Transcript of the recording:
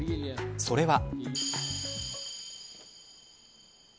それは。